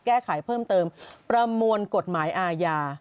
แก้ไขเพิ่มเติมประมวลกฎหมายอาญา